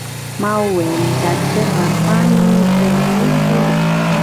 ما وويل ډاکتر عرفان يې بيا څوک دى.